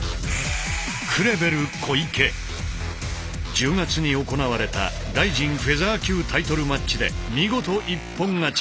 １０月に行われたＲＩＺＩＮフェザー級タイトルマッチで見事一本勝ち。